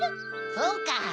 そうか！